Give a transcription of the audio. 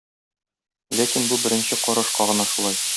Ләкин бу беренче карашка гына шулай.